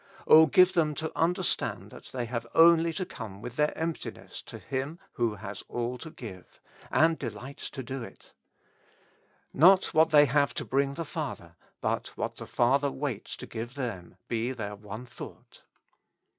O give them to under stand that they have only to come with their empti ness to Him who has all to give, and delights to do it. Not, what they have to bring the Father, but 30 With Christ in the School of Prayer. what the Father waits to give them, be their one thought.